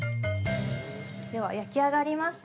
◆では焼き上がりました。